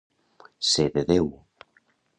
Ser de Déu.